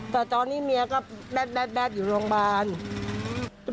แต่ตอนนี้เมียก็แดดอยู่โรงพยาบาล